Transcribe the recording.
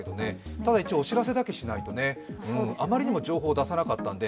ただ一応、お知らせだけしないとねあまりにも情報を出さなかったので、